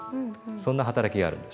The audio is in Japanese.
そんな働きがあるんです。